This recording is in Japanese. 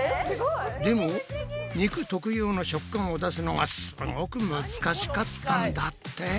でも肉特有の食感を出すのがすごく難しかったんだって。